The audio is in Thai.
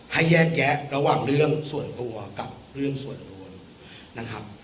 ให้แยกแยะระหว่างเรื่องส่วนตัวกับเรื่องส่วนตัวนะครับ